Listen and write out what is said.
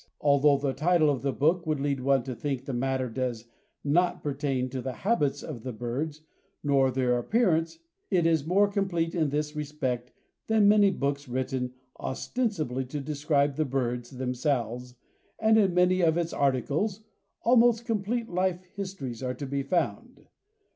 Although the title of the book would lead one to think the matter does not pertain to the habits of the birds, nor their appearance, it is more complete in this respect than many books written ostensibly to describe the birds themselves, and in many of its articles almost complete life histories are to be found.